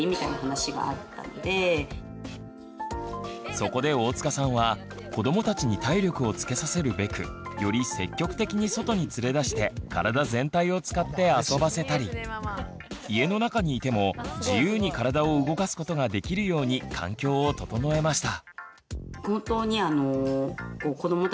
そこで大塚さんは子どもたちに体力をつけさせるべくより積極的に外に連れ出して体全体を使って遊ばせたり家の中にいても自由に体を動かすことができるように環境を整えました。